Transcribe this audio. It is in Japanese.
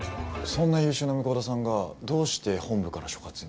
そんな優秀な向田さんがどうして本部から所轄に？